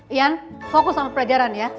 ian fokus sama pelajaran ya